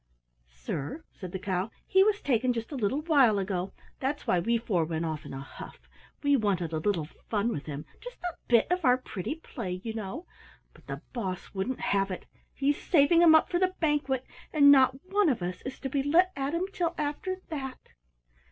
"Sir," said the Cow, "he was taken just a little while ago. That's why we four went off in a huff. We wanted a little fun with him, just a bit of our pretty play, you know, but the Boss wouldn't have it. He's saving him up for the Banquet, and not one of us is to be let at him till after that."